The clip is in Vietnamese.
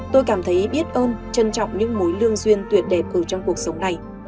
tôi cảm thấy biết ơn trân trọng những mối lương duyên tuyệt đẹp trong cuộc sống này